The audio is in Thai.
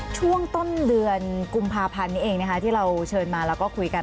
ช่วงต้นเดือนกุมภาพันธ์นี้เองนะคะที่เราเชิญมาแล้วก็คุยกัน